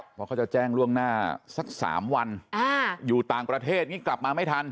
เพราะเขาจะแจ้งล่วงหน้าสัก๓วันอยู่ต่างประเทศอย่างนี้กลับมาไม่ทัน